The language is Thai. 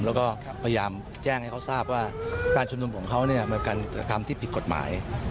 แล้วก็พยายามแจ้งให้เขาทราบว่าการชุมนุมของเขาเนี่ยมันเป็นการกระทำที่ผิดกฎหมาย